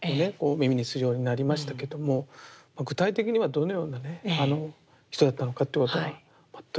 耳にするようになりましたけども具体的にはどのような人だったのかっていうことは全く存じ上げてないですね。